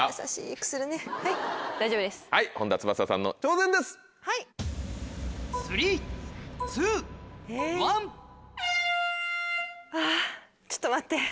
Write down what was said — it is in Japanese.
うわちょっと待って。